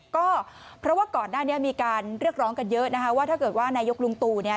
ก็เพราะว่าก่อนหน้านี้มีการเรียกร้องกันเยอะนะคะว่าถ้าเกิดว่านายกลุงตู่เนี่ย